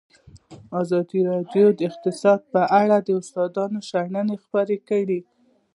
ازادي راډیو د اقتصاد په اړه د استادانو شننې خپرې کړي.